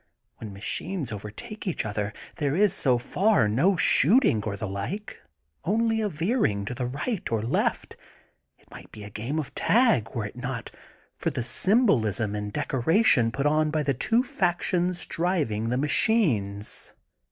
When machines overtake each other there is, so far, no shooting or the like, only a veering to the right or left. It might be a game of tag, were it not for the symbolism in decoration put on by the two factions driv ing the machines.